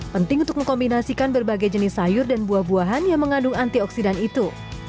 penting untuk mengkombinasikan berbagai jenis sayur dan buah buahan yang mengandung antioksidan itu